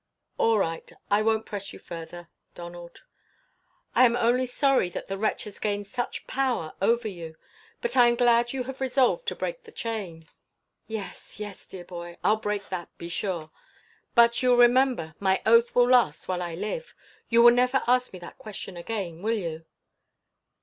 "All right; I won't press you further, Donald. I am only sorry that the wretch has gained such power over you; but I am glad you have resolved to break the chain." "Yes, yes, dear boy, I'll break that, be sure; but, you'll remember, my oath will last while I live. You will never ask me that question again, will you?"